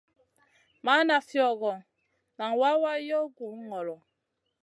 Mana fiogo, nan wawa yow gu ŋolo.